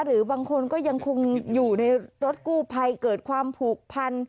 หรือบางคนก็ยังคงอยู่ในรถกู้ภัยเกิดความผูกพัน